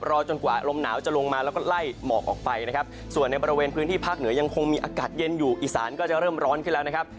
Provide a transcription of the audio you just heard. จนกว่าลมหนาวจะลงมาแล้วก็ไล่หมอกออกไปนะครับส่วนในบริเวณพื้นที่ภาคเหนือยังคงมีอากาศเย็นอยู่อีสานก็จะเริ่มร้อนขึ้นแล้วนะครับ